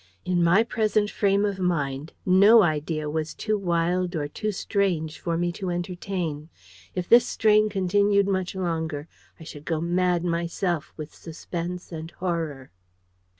In my present frame of mind, no idea was too wild or too strange for me to entertain. If this strain continued much longer, I should go mad myself with suspense and horror!